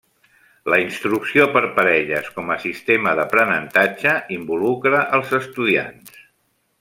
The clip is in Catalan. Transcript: La instrucció per parelles com a sistema d'aprenentatge involucra els estudiants.